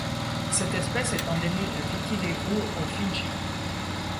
Cette espèce est endémique de Viti Levu aux Fidji.